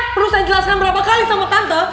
perlu saya jelaskan berapa kali sama tante